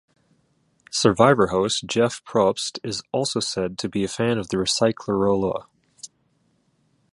Survivor host Jeff Probst is also said to be a fan of the Recyclarolla.